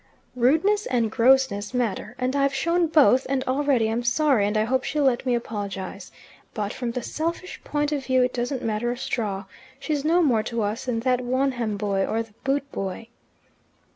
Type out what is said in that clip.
"Rudeness and Grossness matter, and I've shown both, and already I'm sorry, and I hope she'll let me apologize. But from the selfish point of view it doesn't matter a straw. She's no more to us than the Wonham boy or the boot boy."